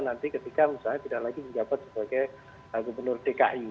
nanti ketika misalnya tidak lagi menjabat sebagai gubernur dki